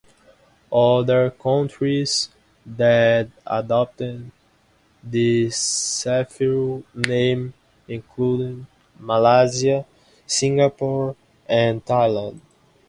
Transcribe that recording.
Other countries that adopted the Cefiro name included Malaysia, Singapore and Thailand.